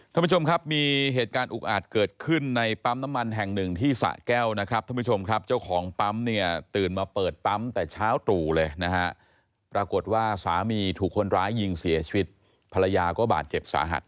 ท่านผู้ชมครับมีเหตุการณ์อุกอาจเกิดขึ้นในปั๊มน้ำมันแห่งหนึ่งที่สะแก้วนะครับท่านผู้ชมครับเจ้าของปั๊มเนี่ยตื่นมาเปิดปั๊มแต่เช้าตรู่เลยนะฮะปรากฏว่าสามีถูกคนร้ายยิงเสียชีวิตภรรยาก็บาดเจ็บสาหัส